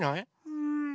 うん。